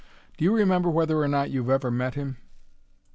Do you remember whether or not you've ever met him?"